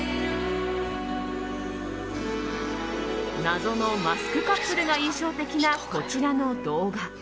謎のマスクカップルが印象的なこちらの動画。